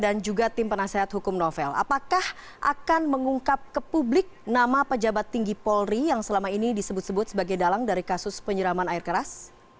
apakah akan mengungkap ke publik nama pejabat tinggi polri yang selama ini disebut sebut sebagai dalang dari kasus penyeraman air keras